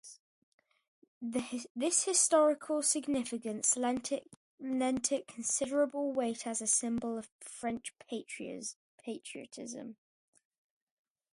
This historical significance lent it considerable weight as a symbol of French patriotism.